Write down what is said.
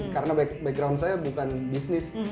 karena background saya bukan bisnis